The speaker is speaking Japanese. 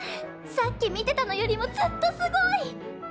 さっき見てたのよりもずっとすごい！